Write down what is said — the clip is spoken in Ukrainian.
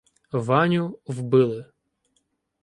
Ваню вбили.